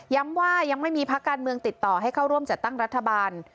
ว่ายังไม่มีพักการเมืองติดต่อให้เข้าร่วมจัดตั้งรัฐบาล